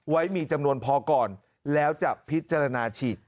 ไว้มีจำนวนพอก่อนแล้วจะพิจารณาฉีด